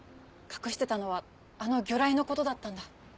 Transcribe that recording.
隠してたのはあの魚雷のことだったんだ。